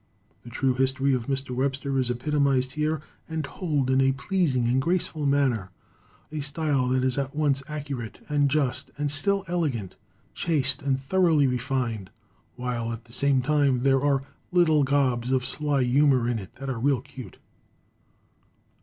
The true history of Mr. Webster is epitomized here, and told in a pleasing and graceful manner, a style that is at once accurate and just and still elegant, chaste and thoroughly refined, while at the same time there are little gobs of sly humor in it that are real cute.